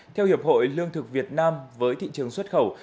theo hiệp hội lương thực việt nam với thị trường xuất khẩu